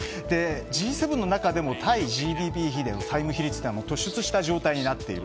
Ｇ７の中でも、対ＧＤＰでの債務比率といのは突出した状態になっている。